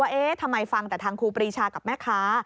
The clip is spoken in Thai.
เอ๊ะทำไมฟังแต่ทางครูปรีชากับแม่ค้า